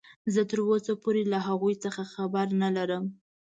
زه تراوسه پورې له هغوې څخه خبر نلرم.